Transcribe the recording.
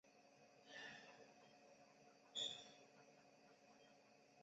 后来的法国一些装甲战斗车辆也利用了这款坦克的一些技术成果。